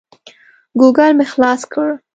ګوګل مې خلاص کړ.